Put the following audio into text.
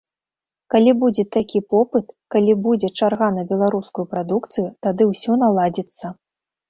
Калі будзе такі попыт, калі будзе чарга на беларускую прадукцыю, тады ўсё наладзіцца.